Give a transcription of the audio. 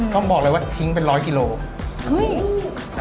ต้องบอกเลยว่าทิ้งเป็นร้อยกิโล